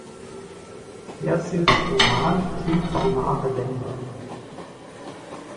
Jersilds Roman "Till varmare länder".